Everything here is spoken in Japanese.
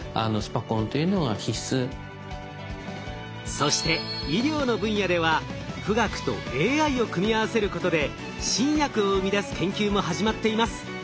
そして医療の分野では富岳とＡＩを組み合わせることで新薬を生み出す研究も始まっています。